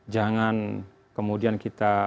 jangan kemudian kita